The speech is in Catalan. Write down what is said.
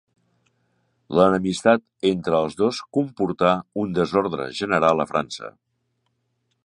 L'enemistat entre els dos comportà un desordre general a França.